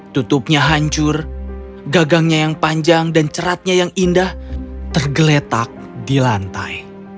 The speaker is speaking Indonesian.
tutupnya hancur gagangnya yang panjang dan ceratnya yang indah tergeletak di lantai